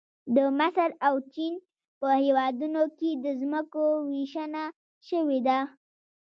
د مصر او چین په هېوادونو کې د ځمکو ویشنه شوې ده